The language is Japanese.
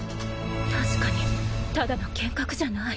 確かにただの剣客じゃない。